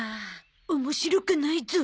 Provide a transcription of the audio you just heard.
面白くないゾ。